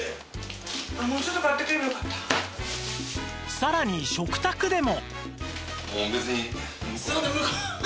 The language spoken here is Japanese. さらに食卓でも